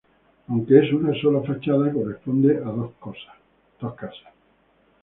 Aunque es una sola fachada, corresponde a dos casas.